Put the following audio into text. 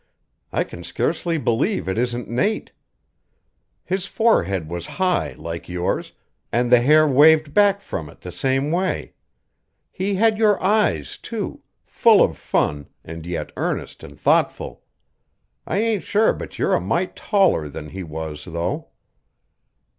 I can scarcely believe it isn't Nate. His forehead was high like yours, an' the hair waved back from it the same way; he had your eyes too full of fun, an' yet earnest an' thoughtful. I ain't sure but you're a mite taller than he was, though."